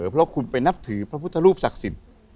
เพราะคุณไปนับถือพระพุทธรูปศักดิ์สิทธิ์